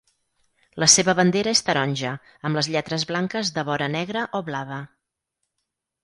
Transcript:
La seva bandera és taronja, amb les lletres blanques de vora negra o blava.